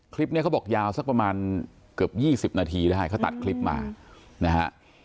คลิปนี้เขาบอกยาวสักประมาณเกือบ๒๐นาทีได้เขาตัดคลิปมานะฮะ